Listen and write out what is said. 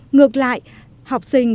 ngược lại học sinh